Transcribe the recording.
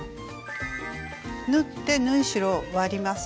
縫って縫い代を割ります。